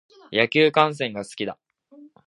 野球観戦が好きだ。